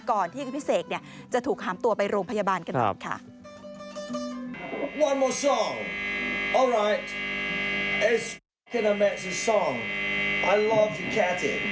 ก่อนที่พี่เสกจะถูกหามตัวไปโรงพยาบาลกันหน่อยค่ะ